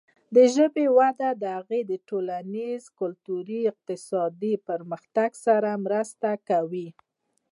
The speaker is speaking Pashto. د ژبې وده د هغې د ټولنیز، کلتوري او اقتصادي پرمختګ سره مرسته کوي.